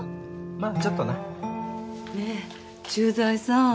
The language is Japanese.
まぁちょっとな。ねぇ駐在さん。